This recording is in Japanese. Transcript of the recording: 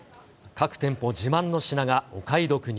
各店舗自慢の品がお買い得に。